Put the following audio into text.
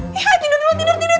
nih tidur dulu tidur tidur